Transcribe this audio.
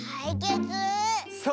そう。